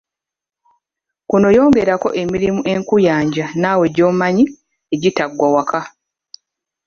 Kuno yongerako emirimu enkuyanja naawe gy'omanyi egitaggwa waka.